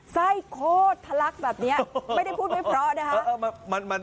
ไส้โคตรทะลักแบบนี้ไม่ได้พูดไม่เพราะนะคะ